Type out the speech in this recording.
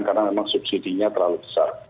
karena memang subsidi nya terlalu besar